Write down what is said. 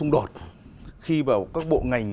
đột khi mà các bộ ngành